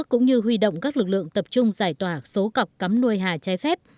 cũng như huy động các lực lượng tập trung giải tỏa số cọc cắm nuôi hà trái phép